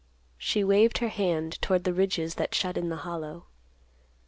She waived her hand toward the ridges that shut in the Hollow.